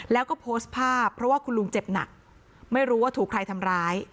แล้วก็โพสต์ภาพเพราะว่าคุณลุงเจ็บหนักไม่รู้ว่าถูกใครทำร้าย